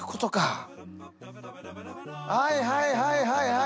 はいはいはいはいはい！